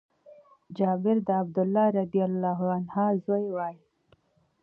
جابر د عبدالله رضي الله عنه زوی وايي :